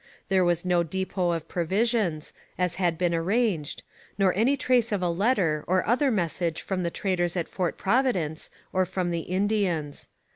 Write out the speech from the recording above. There was no depot of provisions, as had been arranged, nor any trace of a letter or other message from the traders at Fort Providence or from the Indians.